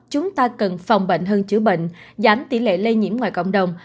chúng ta cần phòng bệnh hơn chữa bệnh giảm tỷ lệ lây nhiễm ngoài cộng đồng